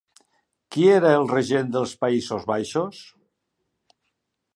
Qui era el regent dels Països Baixos?